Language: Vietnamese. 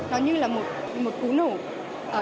nó như là một cú nổ